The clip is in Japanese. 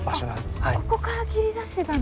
ここから切り出してたんですか？